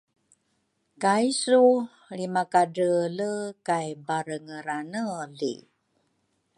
kaisu lrimakadreele kay barengeraneli.